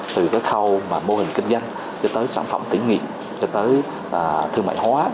từ cái khâu mà mô hình kinh doanh cho tới sản phẩm tỉ nghiệm cho tới thương mại hóa